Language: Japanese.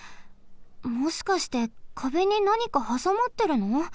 もしかして壁になにかはさまってるの？